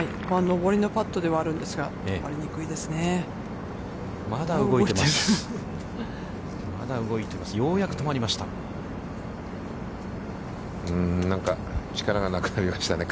上りのパットではあるんですが、止まりにくいですね。